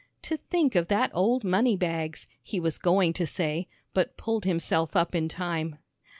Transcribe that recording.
"To think of that old money bags," he was going to say, but pulled himself up in time.